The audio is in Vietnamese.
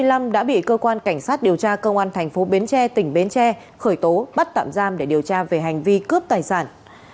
năm một nghìn chín trăm chín mươi năm đã bị cơ quan cảnh sát điều tra cơ quan thành phố bến tre tỉnh bến tre khởi tố bắt tạm giam để điều tra về hành vi cướp tài sản